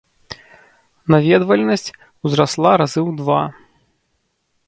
Наведвальнасць узрасла разы ў два.